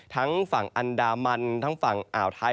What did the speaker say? ทั้งฝั่งอันดามันทั้งฝั่งอ่าวไทย